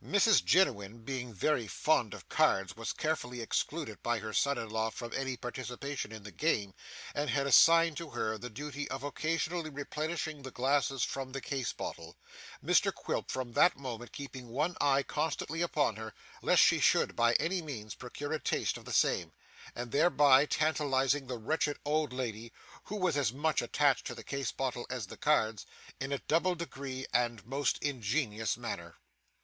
Mrs Jiniwin being very fond of cards was carefully excluded by her son in law from any participation in the game, and had assigned to her the duty of occasionally replenishing the glasses from the case bottle; Mr Quilp from that moment keeping one eye constantly upon her, lest she should by any means procure a taste of the same, and thereby tantalising the wretched old lady (who was as much attached to the case bottle as the cards) in a double degree and most ingenious manner.